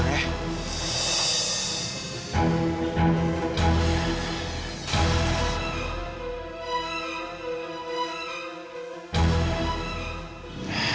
aku pergi sekarang ya